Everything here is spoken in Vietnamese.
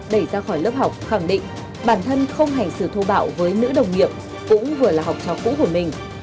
đẩy ra khỏi lớp học khẳng định bản thân không hành xử thô bạo với nữ đồng nghiệp cũng vừa là học trò cũ của mình